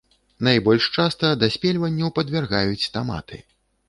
Найбольш часта даспельванню падвяргаюць таматы.